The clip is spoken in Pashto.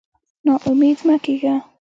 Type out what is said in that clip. نا امېد مه کېږه.